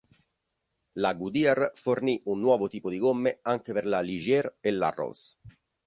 La Goodyear fornì un nuovo tipo di gomme anche per la Ligier e l'Arrows.